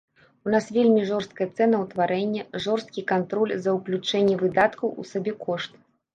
У нас вельмі жорсткае цэнаўтварэнне, жорсткі кантроль за ўключэнне выдаткаў у сабекошт.